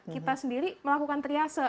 jadi kita sendiri melakukan triase